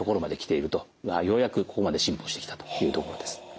ようやくここまで進歩してきたというところです。